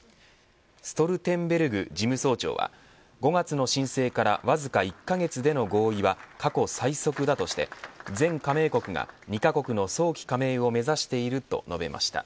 ストルテンベルグ事務総長は５月の申請からわずか１カ月での合意は過去最速だとして全加盟国が、２カ国の早期加盟を目指していると述べました。